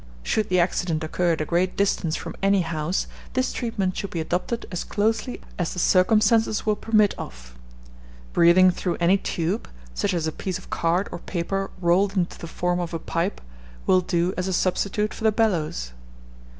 Should the accident occur at a great distance from any house, this treatment should be adopted as closely as the circumstances will permit of. Breathing through any tube, such as a piece of card or paper rolled into the form of a pipe, will do as a substitute for the bellows.